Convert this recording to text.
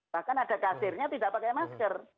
bahkan ada kasirnya tidak pakai masker